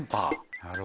なるほどね。